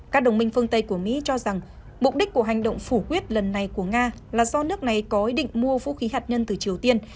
các đồng minh phương tây của mỹ cho rằng mục đích của hành động phủ quyết lần này của nga là do nước này có ý định mua vũ khí hạt nhân từ triều tiên